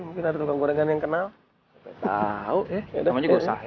mungkin ada gorengan yang kenal tahu ya namanya gue sahe